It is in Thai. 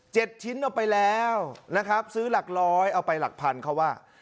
ชิ้นเอาไปแล้วนะครับซื้อหลักร้อยเอาไปหลักพันเขาว่า